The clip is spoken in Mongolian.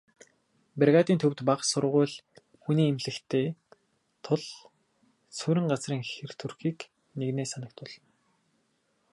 Бригадын төвд бага сургууль, хүний эмнэлэгтэй тул суурин газрын хэр төрхийг нэгнээ санагдуулна.